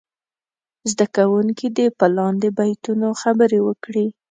زده کوونکي دې په لاندې بیتونو خبرې وکړي.